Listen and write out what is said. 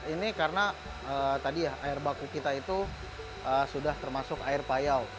ini karena tadi ya air baku kita itu sudah termasuk air payau